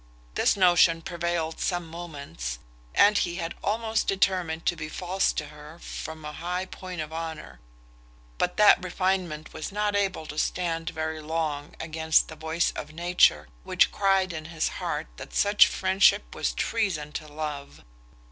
This notion prevailed some moments, and he had almost determined to be false to her from a high point of honour: but that refinement was not able to stand very long against the voice of nature, which cried in his heart that such friendship was treason to love.